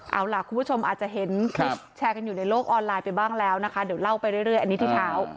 เอาล่ะคุณผู้ชมอาจจะเห็นคลิปแชร์กันอยู่ในโลกออนไลน์ไปบ้างแล้วนะคะเดี๋ยวเล่าไปเรื่อยอันนี้ที่เท้า